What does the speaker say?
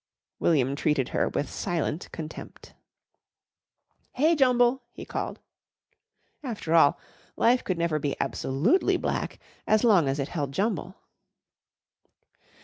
William treated her with silent contempt. "Hey, Jumble!" he called. After all, life could never be absolutely black, as long as it held Jumble.